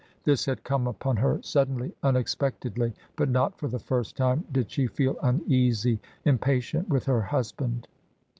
This had come upon her sud denly, unexpectedly, but not for the first time did she feel uneasy, impatient with her husband.